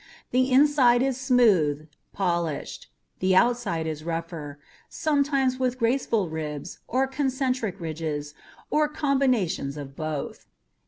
The inside is smooth, polished. The outside is rougher, sometimes with graceful ribs or concentric ridges or combinations of both.